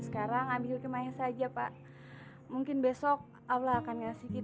kalau dia tetap bersedih